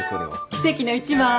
奇跡の１枚。